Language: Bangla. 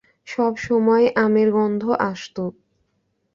সব সময়ই আমের গন্ধ আসতো।